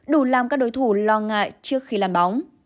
đủ làm các đối thủ lo ngại trước khi làm bóng